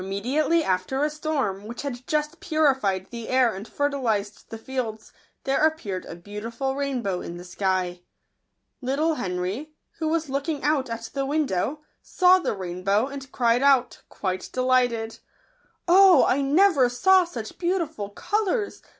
f l ! 1 i % L i r* Digitized by v^ooQle Mafntioto* I ATELY after a storm, w hich had j ust purified the air and fertilised the fields, there appeared a beautiful rainbow in the sky. ( Little Henry, who was looking out at the window, saw the rainbow, and cried out, quite delighted, " Oh, I never saw such beau tiful colours